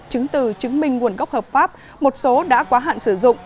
chứng từ chứng minh nguồn gốc hợp pháp một số đã quá hạn sử dụng